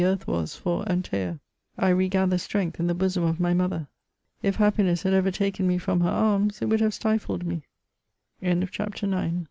earth was for Ant«a. I re gather strength in the bosom of my mother. If happiness had ever taken me from her arms, it would havei